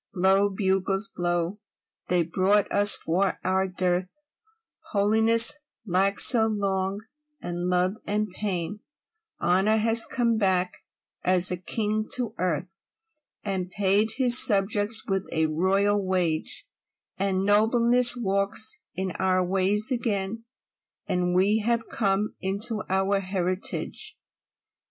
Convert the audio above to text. Blow, bugles, blow! They brought us, for our dearth, Holiness, lacked so long, and Love, and Pain, Honour has come back, as a king, to earth, And paid his subjects with a royal wage; And Nobleness walks in our ways again; And we have come into our heritage.